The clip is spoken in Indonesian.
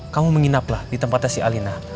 kamu menginaplah di tempatnya si alina